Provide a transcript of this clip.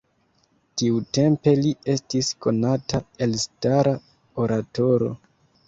Tiutempe li estis konata elstara oratoro.